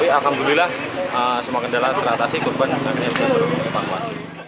tapi alhamdulillah semua kendala teratasi korban